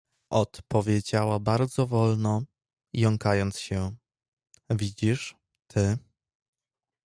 Od powiedziała bardzo wolno, jąkając się: — Widzisz, ty.